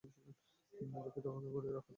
দুঃখিত অপেক্ষা করিয়ে রাখার জন্য।